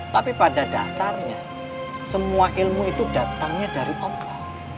tapi pada dasarnya semua ilmu itu datangnya dari allah